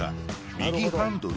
右ハンドル？